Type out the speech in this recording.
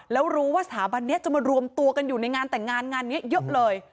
แล้วรู้ว่าสถาบันนี้จะมารวมตัวกันอยู่ในงานแต่งงานงานนี้เยอะเลย